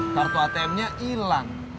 kartu atm nya ilang